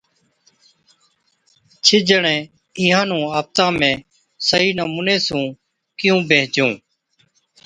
ڇه جڻين اِينهان نُون آپتان ۾ صحِيح نمُوني سُون ڪيُون بيهنچُون؟